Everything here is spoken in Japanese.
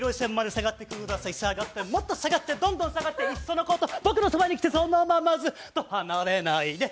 下がってください、下がって、もっと下がって、どんどん下がっていっそのこと僕の側まで来てそのままずっと離れないで。